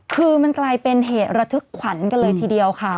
คือมันกลายเป็นเหตุระทึกขวัญกันเลยทีเดียวค่ะ